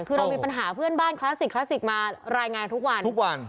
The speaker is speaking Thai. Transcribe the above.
คือเรามีปัญหาเพื่อนบ้านคลาสสิกมารายงานทุกวัน